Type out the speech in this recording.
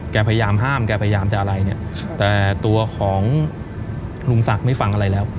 พยายามห้ามแกพยายามจะอะไรเนี่ยแต่ตัวของลุงศักดิ์ไม่ฟังอะไรแล้ว